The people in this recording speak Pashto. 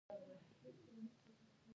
ګلان ښایسته رنګونه لري